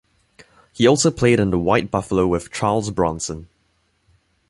He also played in The White Buffalo with Charles Bronson.